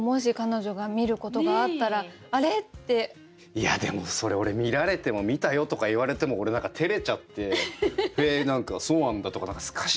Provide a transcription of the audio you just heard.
いやでもそれ俺見られても「見たよ」とか言われても俺何かてれちゃって「へえそうなんだ」とか何かすかしちゃいそうなんだよな。